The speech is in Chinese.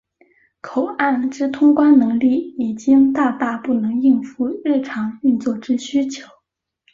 口岸之通关能力已经大大不能应付日常运作之需求。